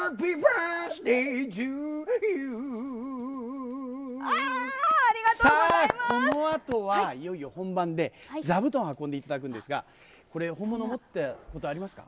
いよいよこのあとはいよいよ本番で、ざぶとんをはこんでいただくんですが、これ、持ったことありますか？